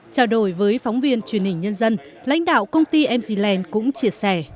chào đổi với phóng viên truyền hình nhân dân lãnh đạo công ty mc land cũng chia sẻ